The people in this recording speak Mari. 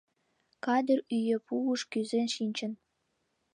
— Кадыр ӱэпуыш кӱзен шинчын.